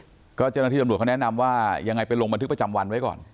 เจ้าหน้าที่ตำรวจเขาแนะนำว่ายังไงไปลงบันทึกประจำวันไว้ก่อน